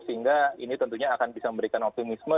sehingga ini tentunya akan bisa memberikan optimisme